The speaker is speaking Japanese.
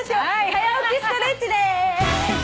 「はや起きストレッチ」です！